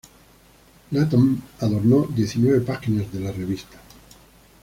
Latham adornó diecinueve páginas de la revista.